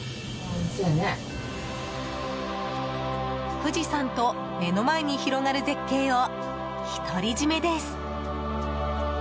富士山と目の前に広がる絶景を独り占めです。